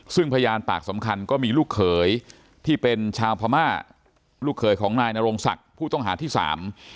ซึ่งพยานปากสำคัญก็มีลูกเขยที่เป็นชาวพม่าลูกเขยของนายนโรงศักดิ์ผู้ต้องหาที่สาม